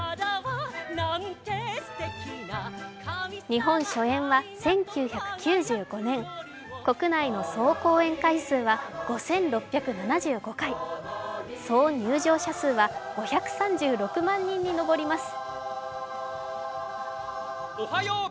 日本初演は１９９５年国内の総公演回数は５６７５回総入場者数は５３６万人に上ります。